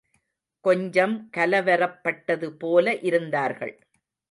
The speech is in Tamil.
கொஞ்சம் கலவரப்பட்டதுபோல இருந்தார்கள்.